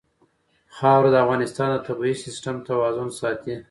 خاوره د افغانستان د طبعي سیسټم توازن ساتي.